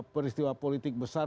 peristiwa politik besar